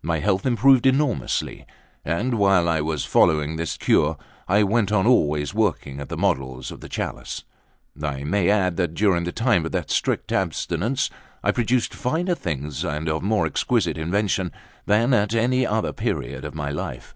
My health improved enormously; and while I was following this cure, I went on always working at the models of the chalice. I may add that, during the time of that strict abstinence, I produced finer things and of more exquisite invention than at any other period of my life.